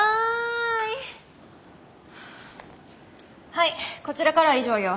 はいこちらからは以上よ。